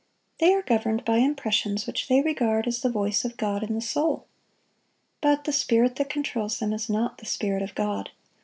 They are governed by impressions which they regard as the voice of God in the soul. But the spirit that controls them is not the Spirit of God.